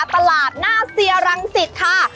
ตลาดน่าเสียรังสิทธิ์ค่ะ